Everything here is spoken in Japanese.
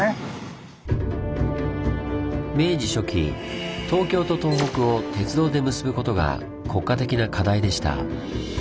明治初期東京と東北を鉄道で結ぶことが国家的な課題でした。